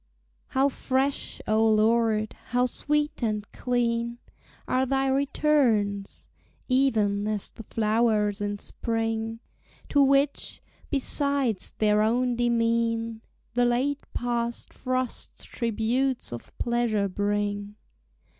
How fresh, O Lord, how sweet and clean Are thy returns! even as the flowers in spring; To which, besides their own demean, The late past frosts tributes of pleasure bring.